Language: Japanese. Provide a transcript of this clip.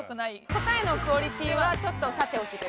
答えのクオリティーはちょっとさておきで。